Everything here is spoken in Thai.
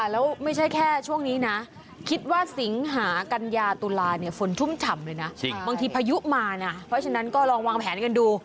แล้วไม่ใช่แค่ช่วงนี้นะคิดว่าสิงหากัญญาตุลาเนี่ยฝนชุ่มฉ่ำเลยนะบางทีพายุมานะเพราะฉะนั้นก็ลองวางแผนกันดู